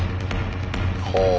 ほう。